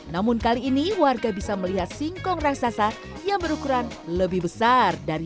namun kali ini warga bisa melihat singkong raksasa yang berukuran lebih besar dari